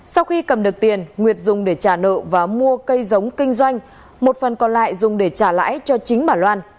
sau khi cầm được tiền nguyệt dùng để trả nợ và mua cây giống kinh doanh một phần còn lại dùng để trả lãi cho chính bà loan